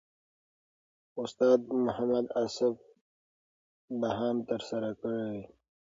استاد محمد اصف بهاند ترسره کړی.